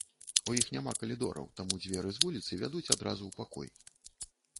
У іх няма калідораў, таму дзверы з вуліцы вядуць адразу ў пакой.